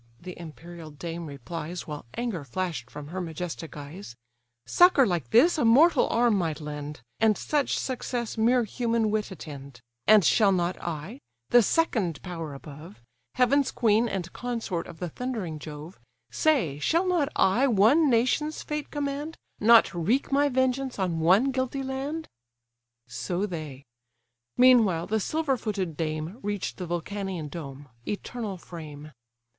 (the imperial dame replies, While anger flash'd from her majestic eyes) Succour like this a mortal arm might lend, And such success mere human wit attend: And shall not I, the second power above, Heaven's queen, and consort of the thundering Jove, Say, shall not I one nation's fate command, Not wreak my vengeance on one guilty land?" TRIPOD So they. Meanwhile the silver footed dame Reach'd the Vulcanian dome, eternal frame!